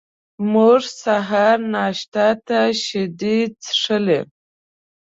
موږ سهار ناشتې ته شیدې څښلې.